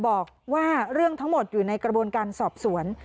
บอกว่าเรื่องทั้งหมดอยู่ในกระบวนการสอบสวน